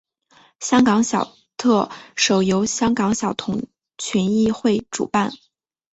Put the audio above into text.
香港小特首由香港小童群益会主办。